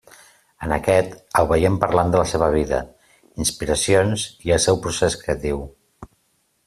En aquest el veiem parlant de la seva vida, inspiracions i el seu procés creatiu.